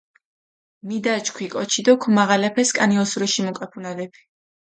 მიდაჩქვი კოჩი დო ქჷმაღალაფე სქანი ოსურიში მუკაქუნალეფი.